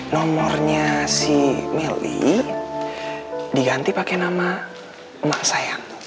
nomornya si meli diganti pakai nama emak sayang